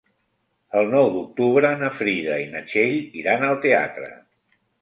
El nou d'octubre na Frida i na Txell iran al teatre.